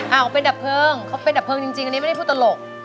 เอาเป็นดับเพลิงเขาเป็นดับเพลิงจริงอันนี้ไม่ได้พูดตลก